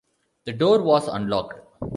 The door was unlocked.